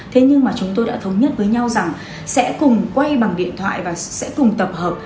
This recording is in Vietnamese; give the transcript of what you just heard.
thế nhưng mà chúng tôi đã thống nhất với nhau rằng sẽ cùng quay bằng điện thoại và sẽ cùng tập hợp